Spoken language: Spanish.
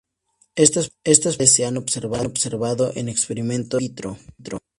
Estas propiedades se han observado en experimentos "in vitro".